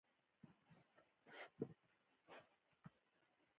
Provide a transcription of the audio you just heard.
بزګان د افغان کلتور سره تړاو لري.